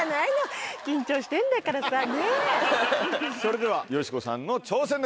それではよしこさんの挑戦でございます。